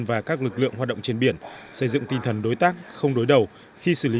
và các lực lượng hoạt động trên biển xây dựng tinh thần đối tác không đối đầu khi xử lý